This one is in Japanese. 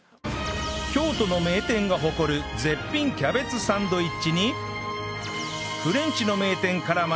京都の名店が誇る絶品キャベツサンドイッチにフレンチの名店から学ぶ